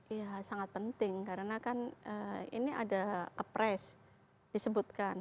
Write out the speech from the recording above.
iya sangat penting karena kan ini ada kepres disebutkan